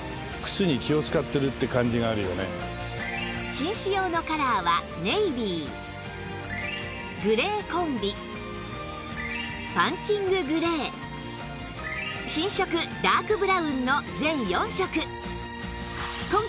紳士用のカラーはネイビーグレーコンビパンチンググレー新色ダークブラウンの全４色